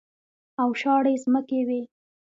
او شاړې ځمکې وې.